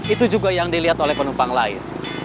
itu juga yang dilihat oleh penumpang lain